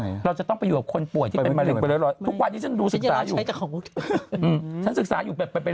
อย่างไรวะเป็นมัยอย่างไร